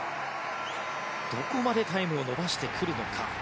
どこまでタイムを伸ばしてくるのか。